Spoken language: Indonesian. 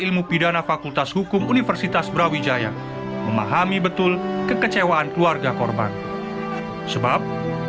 ilmu pidana fakultas hukum universitas brawijaya memahami betul kekecewaan keluarga korban sebab